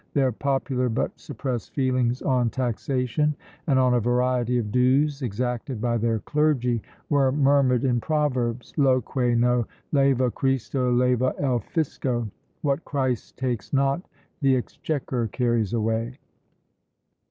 Their popular but suppressed feelings on taxation, and on a variety of dues exacted by their clergy, were murmured in proverbs Lo que no lleva Christo lleva el fisco! "What Christ takes not, the exchequer carries away!"